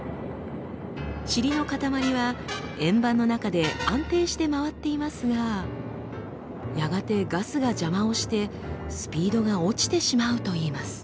チリのかたまりは円盤の中で安定して回っていますがやがてガスが邪魔をしてスピードが落ちてしまうといいます。